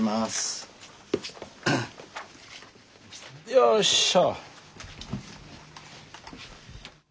よっしょ。